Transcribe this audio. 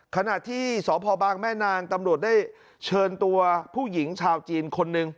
ขณะที่สพบางแม่นางตำรวจได้เชิญตัวผู้หญิงชาวจีนคนหนึ่ง